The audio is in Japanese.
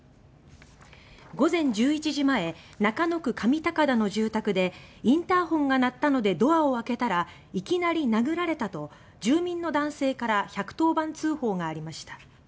午前１１時前中野区上高田の住宅で「インターホンが鳴ったのでドアを開けたらいきなり殴られた」と住民の男性から１１０番通報がありました。